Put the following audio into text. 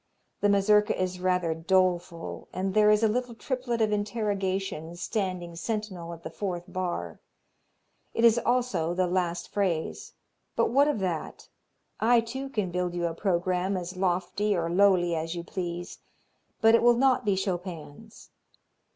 The Mazurka is rather doleful and there is a little triplet of interrogation standing sentinel at the fourth bar. It is also the last phrase. But what of that? I, too, can build you a programme as lofty or lowly as you please, but it will not be Chopin's.